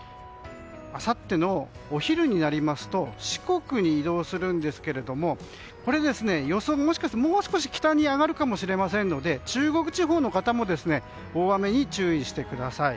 あさってのお昼になりますと四国に移動するんですがこれ、もう少し予想より北に上がるかもしれませんので中国地方の方も大雨に注意してください。